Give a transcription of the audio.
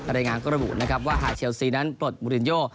รายงานก็ระบุนะครับว่าหากเชลซีนั้นปลดมูลินโย